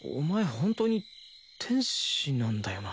本当に天使なんだよな？